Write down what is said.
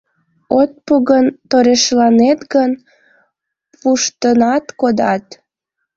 От пу гын, торешланет гын, пуштынат кодат...